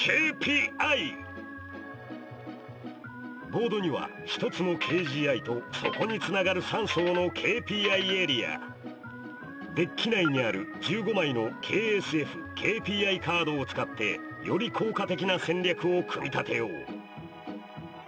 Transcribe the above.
ボートには１つのＫＧＩとそこにつながる３層のＫＰＩエリアデッキ内にある１５枚のＫＳＦＫＰＩカードを使ってより効果的な戦略を組み立てよう！